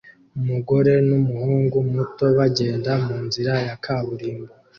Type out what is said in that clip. Umugore n'umuhungu muto bagenda munzira ya kaburimbo